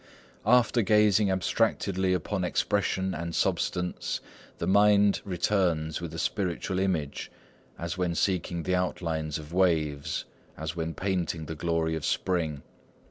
"After gazing abstractedly upon expression and substance, The mind returns with a spiritual image, As when seeking the outlines of waves, As when painting the glory of spring.